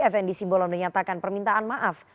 fnd simbolon menyatakan permintaan maaf